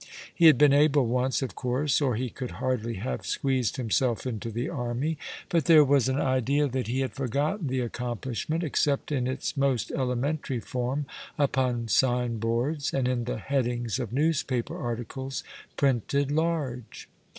He had been able once, of course, or he could hardly have squeezed himself into the Army; but there was an idea that he had forgotten the accomplishment, except in its most elementary form upon sign boards, and in the headings of newspaper articles, printed large.